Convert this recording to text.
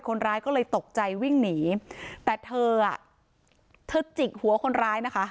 คนร้ายก็เลยตกใจวิ่งหนีแต่เธออ่ะเธอเธอจิกหัวคนร้ายนะคะ